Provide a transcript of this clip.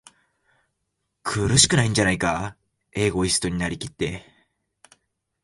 苦しくないんじゃないか？エゴイストになりきって、